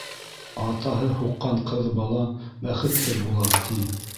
Атаһы һуҡҡан ҡыҙ бала бәхетһеҙ була, ти.